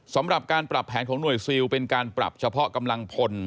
สำหรับการปรับแผนของหน่วยซิลเป็นการปรับเฉพาะกำลังพล